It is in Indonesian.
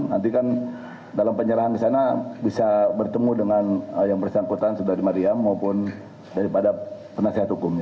nanti kan dalam penyerahan di sana bisa bertemu dengan yang bersangkutan sudah di mariam maupun daripada penasihat hukumnya